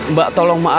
mbak tolong beri aku